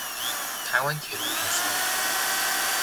台灣鐵路運輸